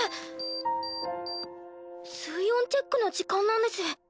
タッ水温チェックの時間なんです。